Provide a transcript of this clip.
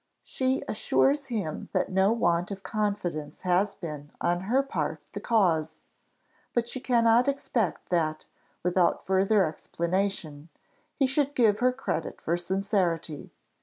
She assures him that no want of confidence has been, on her part, the cause; but she cannot expect that, without further explanation, he should give her credit for sincerity.